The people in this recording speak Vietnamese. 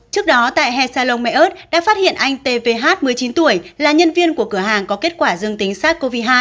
trước đó tại he salon mark đã phát hiện anh tvh một mươi chín tuổi là nhân viên của cửa hàng có kết quả dương tính sars cov hai